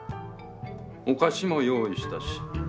お菓子も用意したし。